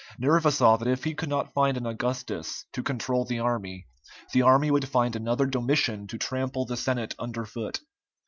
Nerva saw that if he could not find an Augustus to control the army, the army would find another Domitian to trample the Senate under foot.